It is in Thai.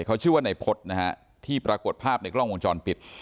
เขาชื่อว่านายพฤษนะฮะที่ปรากฏภาพในกล้องวงจรปิด